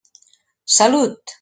Salut!